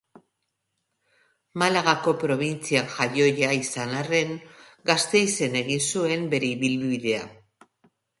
Malagako probintzian jaioa izan arren, Gasteizen egin zuen bere ibilbidea.